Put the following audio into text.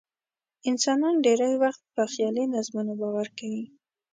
انسانان ډېری وخت په خیالي نظمونو باور کوي.